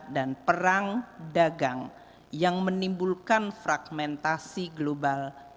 dan perang dagang yang menimbulkan fragmentasi global